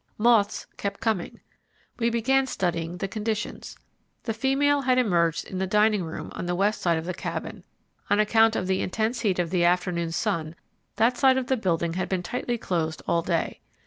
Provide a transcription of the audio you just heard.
Moths kept coming. We began studying the conditions. The female had emerged in the diningroom on the west side of the cabin. On account of the intense heat of the afternoon sun, that side of the building had been tightly closed all day.